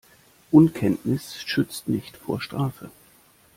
Unkenntnis schützt nicht vor Strafe.